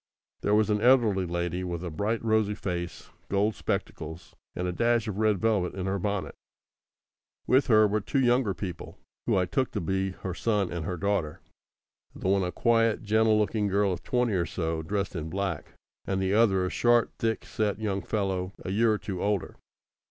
There was an elderly lady, with a bright rosy face, gold spectacles, and a dash of red velvet in her bonnet. With her were two younger people, who I took to be her son and her daughter the one a quiet, gentle looking girl of twenty or so, dressed in black, and the other a short, thick set young fellow, a year or two older.